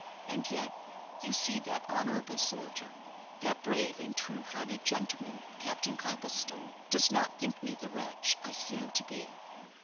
And yet you see that honourable soldier, that brave and true hearted gentleman, Captain Copplestone, does not think me the wretch I seem to be.